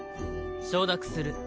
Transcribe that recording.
承諾する。